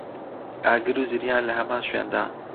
ئاگر و زریان لە هەمان شوێندا